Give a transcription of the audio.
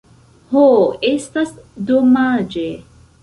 Ho! Estas domaĝe!